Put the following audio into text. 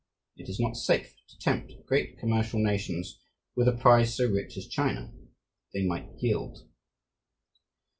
It is not safe to tempt great commercial nations with a prize so rich as China; they might yield.